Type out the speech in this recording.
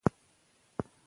لیک یوازې مرسته کوي.